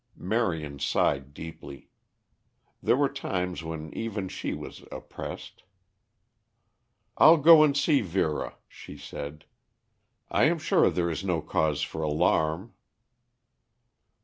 Marion sighed deeply. There were times when even she was oppressed. "I'll go and see Vera," she said. "I am sure there is no cause for alarm."